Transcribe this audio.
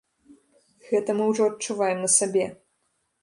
Гэта мы ўжо адчуваем на сабе.